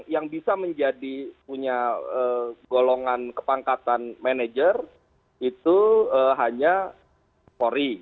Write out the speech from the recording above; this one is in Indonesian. yang bisa menjadi punya golongan kepangkatan manajer itu hanya pori